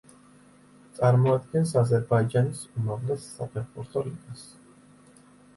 წარმოადგენს აზერბაიჯანის უმაღლეს საფეხბურთო ლიგას.